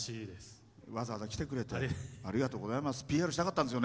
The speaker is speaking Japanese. わざわざ来てくれてありがとうございます。